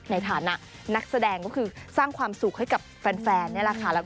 ในฐานะนักแสดงก็คือสร้างความสุขให้กับแฟน